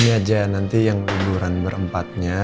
ini aja nanti yang liburan berempatnya